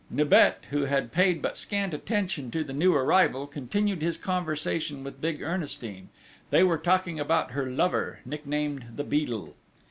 Nibet, who had paid but scant attention to the new arrival, continued his conversation with big Ernestine: they were talking about her lover, nicknamed the Beadle.